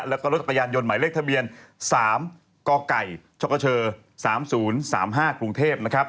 แล้วก็รถจักรยานยนต์หมายเลขทะเบียน๓กไก่ชกช๓๐๓๕กรุงเทพนะครับ